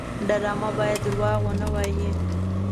ډرامه باید دروغ ونه وایي